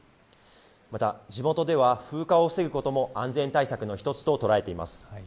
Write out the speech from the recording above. また地元では風化を防ぐことも安全対策の一つと捉えています。